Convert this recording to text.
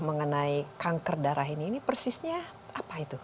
mengenai kanker darah ini ini persisnya apa itu